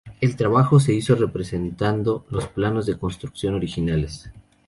El trabajo se hizo respetando los planos de construcción originales.